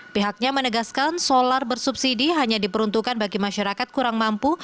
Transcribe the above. pihaknya menegaskan solar bersubsidi hanya diperuntukkan bagi masyarakat kurang mampu